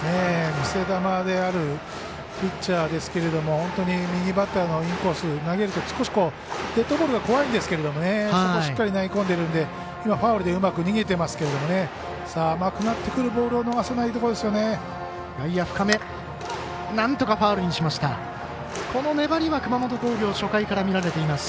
見せ球であるピッチャーですけれども本当に右バッターのインコース投げると少しデッドボールが怖いんですけどそこにしっかり投げ込んでいるのでファウルでうまく逃げていますが甘くなってくるボールを逃さないことです。